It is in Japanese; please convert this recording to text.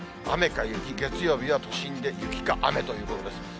雨か雪、月曜日は都心で雪か雨ということです。